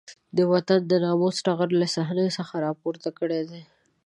د وطن د ناموس ټغر له صحنې څخه راپورته کړی دی.